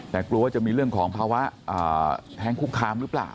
แต่กลัวว่าจะมีเรื่องของภาวะแท้งคุกคามหรือเปล่า